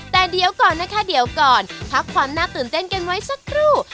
แต่เดี๋ยวก่อนนะคะเดี๋ยวก่อนพักความน่าตื่นเต้นกันไว้สักครู่